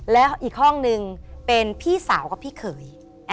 แล้วอีกห้องนึงเป็นพี่สาวกับพี่เขย